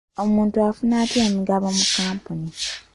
Muntu afuna atya emigabo mu kkampuni?